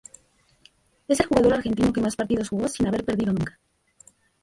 Es el jugador argentino que más partidos jugó sin haber perdido nunca.